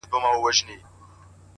نه مي د دار له سره واورېدې د حق سندري-